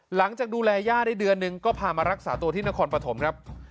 หลังจากดูแลย่าได้เดือนนึงก็พามารักษาตัวที่นครปฐมครับ